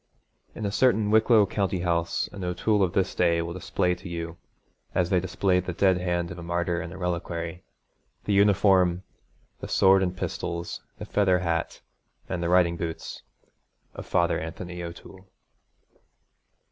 In a certain Wicklow country house an O'Toole of this day will display to you, as they display the dead hand of a martyr in a reliquary, the uniform, the sword and pistols, the feathered hat and the riding boots, of Father Anthony O'Toole.